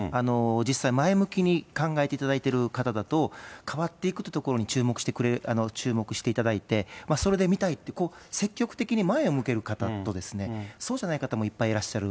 実際、前向きに考えていただいている方だと、変わっていくっていうところに注目していただいて、それで見たいって、積極的に前を向ける方と、そうじゃない方もいっぱいいらっしゃる。